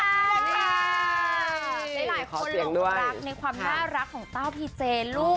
หลายคนหลงรักในความน่ารักของเต้าพีเจลูก